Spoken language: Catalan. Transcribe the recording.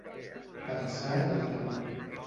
Pensar en el demà.